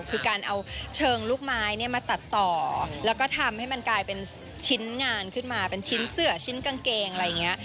คือการเอาเชิงลูกไม้เนี่ยมาตัดต่อแล้วก็ทำให้มันกลายเป็นชิ้นงานขึ้นมาเป็นชิ้นเสือชิ้นกางเกงอะไรอย่างนี้